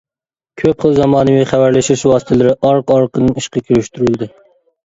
كۆپ خىل زامانىۋى خەۋەرلىشىش ۋاسىتىلىرى ئارقا-ئارقىدىن ئىشقا كىرىشتۈرۈلدى.